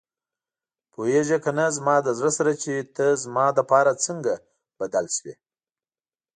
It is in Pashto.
پوهېږې کنه زما د زړه سره چې ته زما لپاره څنګه بدل شوې.